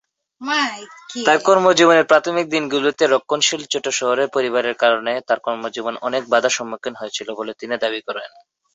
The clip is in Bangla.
তার কর্মজীবনের প্রাথমিক দিনগুলোতে, রক্ষণশীল ছোট-শহরের পরিবারের কারণে তার কর্মজীবন অনেক বাধা সম্মুখীন হয়েছিল বলে তিনি দাবী করেন।